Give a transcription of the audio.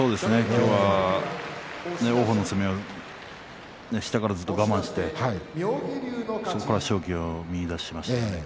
今日は王鵬の攻めは下からずっと我慢してそこから勝機を見いだしました。